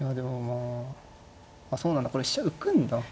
あそうなんだこれ飛車浮くんだ。